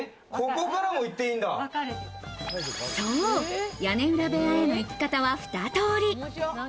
そう、屋根裏部屋への行き方はふた通り。